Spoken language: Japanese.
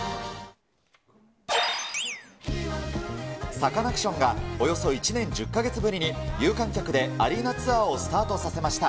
サカナクションが、およそ１年１０か月ぶりに、有観客でアリーナツアーをスタートさせました。